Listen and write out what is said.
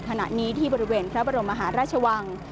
ขณะนี้ที่บริเวณพระบรมมหาราชวัง